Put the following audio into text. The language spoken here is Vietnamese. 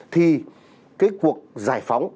thì cái cuộc giải phóng